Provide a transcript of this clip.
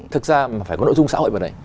thực ra mà phải có nội dung xã hội vào đây